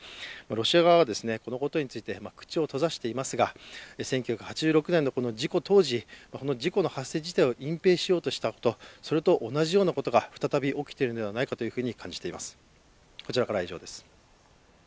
ロシア側はこのことについて口を閉ざしていますが１９８６年の事故当時、事故の発生自体を隠ぺいしようとしたことそれと同じようなことが再び起きているのではないかと感じています。